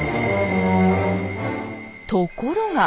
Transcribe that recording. ところが。